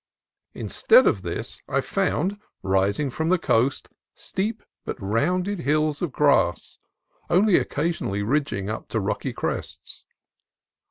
Instead of this, I found, rising from the coast, steep but rounded hills of grass, only occasionally ridging up to rocky crests.